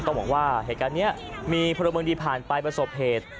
ต้องบอกว่าเหตุการณ์นี้มีเพราะประตูมืองดิอิควอลไปประสบเหตุ